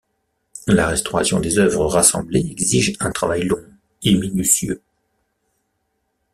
La restauration des œuvres rassemblées exige un travail long et minutieux.